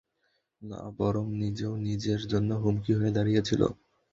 না, বরং ও নিজেই নিজের জন্য হুমকি হয়ে দাড়িয়েছিল।